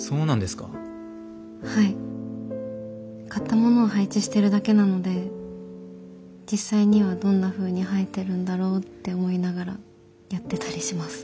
買ったものを配置してるだけなので実際にはどんなふうに生えてるんだろうって思いながらやってたりします。